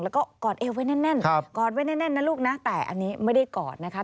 แล้วก็กอดเอวไว้แน่นนะลูกนะแต่อันนี้ไม่ได้กอดนะคะ